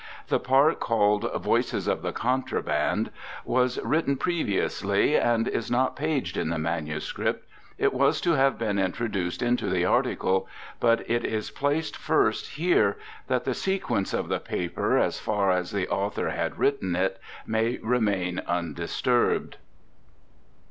The part called "Voices of the Contraband" was written previously, and is not paged in the manuscript. It was to have been introduced into the article; but it is placed first here, that the sequence of the paper, as far as the author had written it, may remain undisturbed.